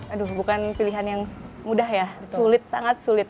aduh bukan pilihan yang mudah ya sulit sangat sulit